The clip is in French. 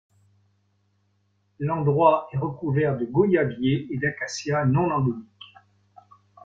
L'endroit est recouvert de goyaviers et d'acacias non endémiques.